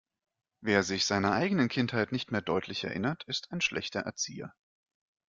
Wer sich seiner eigenen Kindheit nicht mehr deutlich erinnert, ist ein schlechter Erzieher.